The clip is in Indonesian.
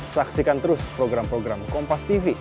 saksikan terus program program kompastv